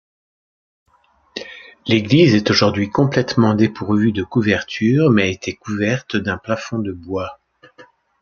L'église est aujourd'hui complètement dépourvue de couverture mais était couverte d'un plafond de bois.